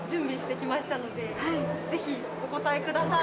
ぜひお答えください。